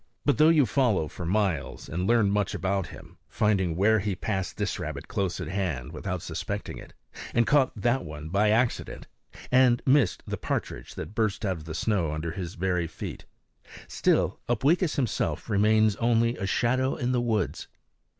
But though you follow for miles and learn much about him, finding where he passed this rabbit close at hand, without suspecting it, and caught that one by accident, and missed the partridge that burst out of the snow under his very feet, still Upweekis himself remains only a shadow of the woods.